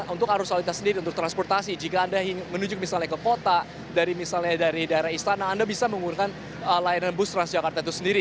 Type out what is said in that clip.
untuk arus lalu lintas sendiri untuk transportasi jika anda menuju misalnya ke kota dari misalnya dari daerah istana anda bisa menggunakan layanan bus transjakarta itu sendiri